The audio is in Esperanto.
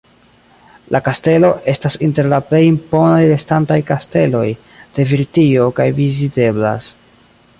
La kastelo estas inter la plej imponaj restantaj kasteloj de Britio, kaj viziteblas.